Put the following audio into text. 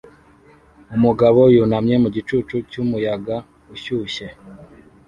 Umugabo yunamye mu gicucu cyumuyaga ushyushye